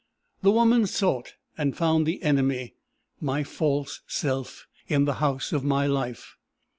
"The woman sought and found the enemy, my false self, in the house of my life.